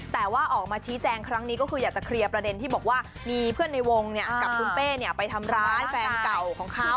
แต่ว่าออกมาชี้แจงครั้งนี้ก็คืออยากจะเคลียร์ประเด็นที่บอกว่ามีเพื่อนในวงกับคุณเป้ไปทำร้ายแฟนเก่าของเขา